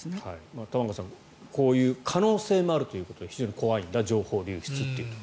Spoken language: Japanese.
玉川さん、こういう可能性もあるということで非常に怖いんだ、情報流出と。